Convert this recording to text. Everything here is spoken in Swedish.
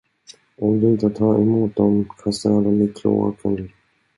Om du inte tar emot dem, kastar jag dem i kloaken.